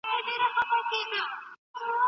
ماشومانو ته درمل مه ورکوئ.